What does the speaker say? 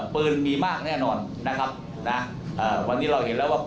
บึนมีมากแน่นอนนะครับวันนี้เราเห็นแล้ว